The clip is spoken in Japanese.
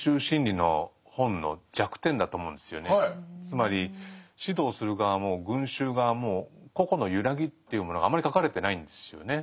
つまり指導する側も群衆側も「個々の揺らぎ」っていうものがあまり書かれてないんですよね。